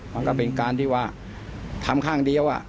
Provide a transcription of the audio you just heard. มันก็เป็นการที่ว่าทำข้างเดียว